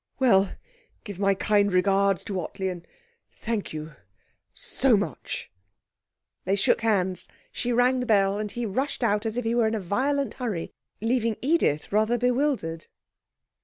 Well, give my kind regards to Ottley, and thank you so much.' They shook hands, she rang the bell, and he rushed out as if he was in a violent hurry, leaving Edith rather bewildered.